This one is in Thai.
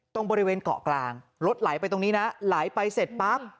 ตรงบริเวณเกาะกลางรถไหลไปตรงนี้นะไหลไปเสร็จปั๊บ